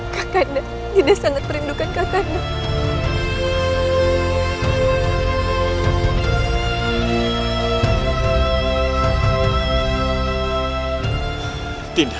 kakanda dinda sangat merindukan kakanda